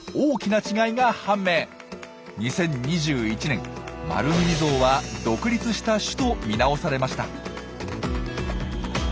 ２０２１年マルミミゾウは独立した種と見直されました。